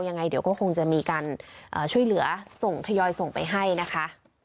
ยังไงเดี๋ยวก็คงจะมีการช่วยเหลือส่งทยอยส่งไปให้นะคะ